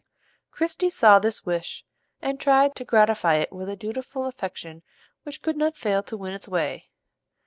Christie saw this wish, and tried to gratify it with a dutiful affection which could not fail to win its way.